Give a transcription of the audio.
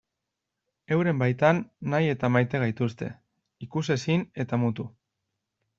Euren baitan nahi eta maite gaituzte, ikusezin eta mutu.